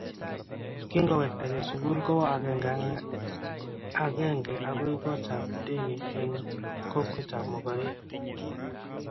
Kingowektakei sukul kowo agenge agenge agoi gotab Deni eng kokwetab mogorek